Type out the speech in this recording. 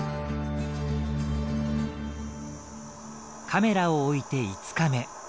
カメラを置いて５日目。